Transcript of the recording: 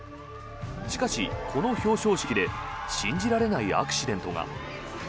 しかし、この表彰式で信じられないアクシデントが。